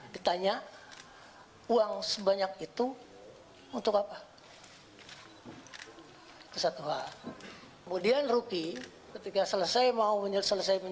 ditanya uang sebanyak itu untuk apa hai itu satu hal kemudian ruki ketika selesai mau menyelesaikan